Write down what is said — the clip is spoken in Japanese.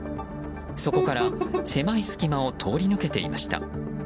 そこから狭い隙間を通り抜けていました。